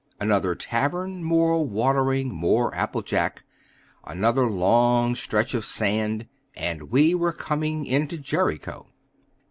Another tavern, more watering, more apple jack. Another long stretch of sand, and we were coming into Jericho.